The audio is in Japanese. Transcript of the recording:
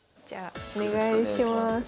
じゃあお願いします。